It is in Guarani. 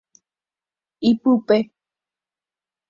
Ipype.